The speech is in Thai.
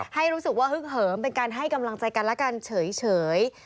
ให้รู้สึกว่าฮึกเหิมเป็นการให้กำลังใจกันและกันเฉย